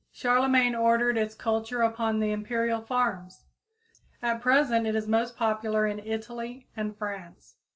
Charlemagne ordered its culture upon the imperial farms. At present it is most popular in Italy, and France.